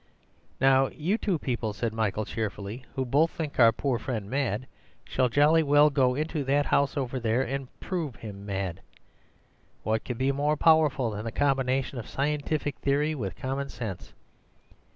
"Now you two people," said Michael cheerfully, "who both think our poor friend mad, shall jolly well go into that house over there and prove him mad. What could be more powerful than the combination of Scientific Theory with Common Sense?